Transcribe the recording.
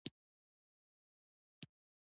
د شنو ونو پاملرنه د چاپیریال ساتنه کوي.